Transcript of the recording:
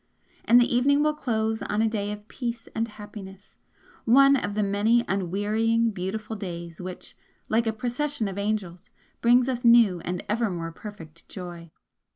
And the evening will close on a day of peace and happiness, one of the many unwearying, beautiful days which, like a procession of angels, bring us new and ever more perfect joy!